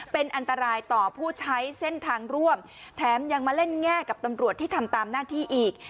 เป็นอันตรายต่อผู้ใช้เส้นทางร่วมแถมยังมาเล่นแง่กับตำรวจที่ทำตามหน้าที่อีก